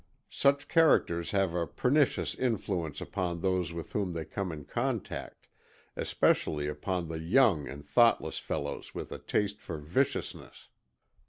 Such characters have a pernicious influence upon those with whom they come in contact, especially upon the young and thoughtless fellows with a taste for viciousness.